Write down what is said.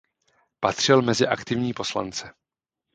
Patřil mezi aktivní poslance.